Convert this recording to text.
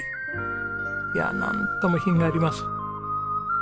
いやなんとも品があります。